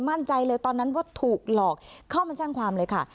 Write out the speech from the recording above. มั่นใจเลยตอนนั้นว่าถูกหลอกเข้ามาแจ้งความเลยค่ะ